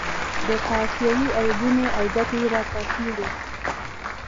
د قافیې عیبونه او ګټې راته څیړي.